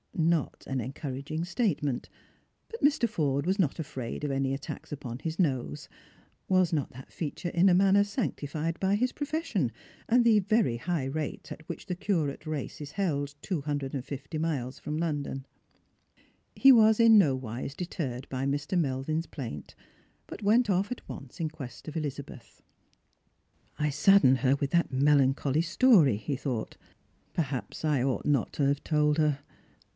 Not an encouraging statement ; but Mr. Forde was not afraid of any attacks upon his nose : was not that feature in a manner sanctified by his profession, and the very high rate at which the curate race is held two hundred and fifty miles from London P He was in nowise deterred by Mr. Melvin's plaint, but went otf at once in quest of Elizabeth. " I saddened her with that melancholy story," he thought. " Perhaps I ought not to have told her.